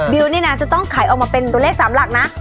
นี่นะจะต้องไขออกมาเป็นตัวเลข๓หลักนะ